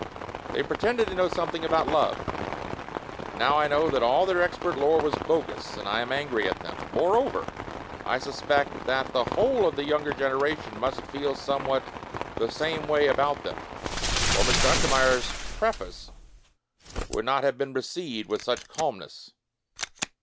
They pre tended to know something about love, and now I know that all their expert lore was bogus, and I am angry at them. Moreover, I suspect that the whole of the younger generation must feel somewhat the same way about them — or Mr. Untermeyer's preface would not have been received with such calmness.